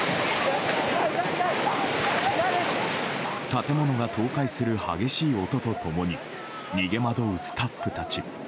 建物が倒壊する激しい音と共に逃げ惑うスタッフたち。